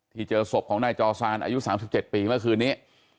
เจอศพของนายจอซานอายุ๓๗ปีเมื่อคืนนี้